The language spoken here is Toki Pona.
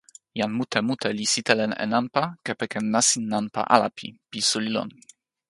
jan mute mute li sitelen e nanpa kepeken nasin nanpa Alapi pi suli lon.